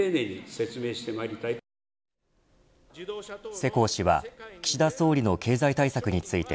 世耕氏は岸田総理の経済対策について